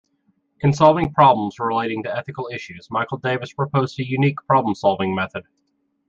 In solving problems relating to ethical issues, Michael Davis proposed a unique problem-solving method.